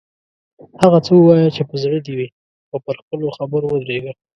هغه څه ووایه چې په زړه دې وي او پر خپلو خبرو ودریږه.